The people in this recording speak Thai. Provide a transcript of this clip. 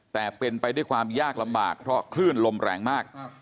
แต่เป็นไปด้วยความยากลำบากเพราะคลื่นลมแรงมาก